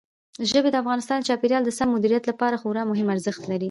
ژبې د افغانستان د چاپیریال د سم مدیریت لپاره خورا مهم ارزښت لري.